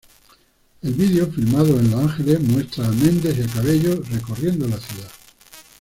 El video, filmado en Los Ángeles, muestra a Mendes y Cabello recorriendo la ciudad.